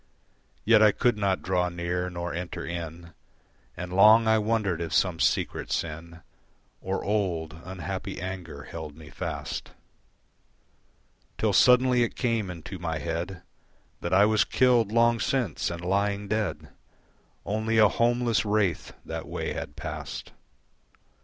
Yet I could not draw near nor enter in, And long I wondered if some secret sin Or old, unhappy anger held me fast; Till suddenly it came into my head That I was killed long since and lying dead Only a homeless wraith that way had passed.